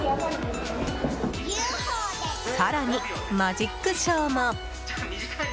更にマジックショーも！